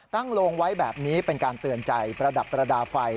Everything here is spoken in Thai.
โลงไว้แบบนี้เป็นการเตือนใจประดับประดาษไฟ